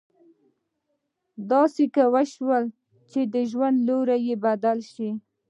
داسې څه وشول چې د ژوند لوری يې بدل شو.